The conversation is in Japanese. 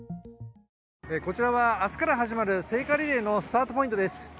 こちらは明日から始まる聖火リレーのスタートポイントです。